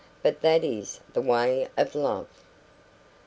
But that is the way of love.